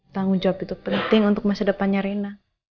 tanggung jawab itu penting untuk masa depannya rina